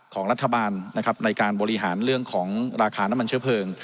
ของรัฐบาลนะครับในการบริหารเรื่องของราคาน้ำมันเชื้อเพลิง